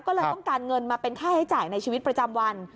ก็เลยต้องการเงินมาเป็นค่าใช้จ่ายในชีวิตประจำวัน